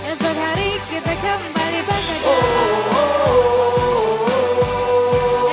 esok hari kita kembali bekerja